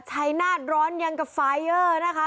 ชัยนาธร้อนอย่างกับไฟเยอะนะคะ